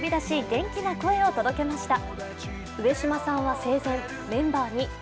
元気な声を届けました。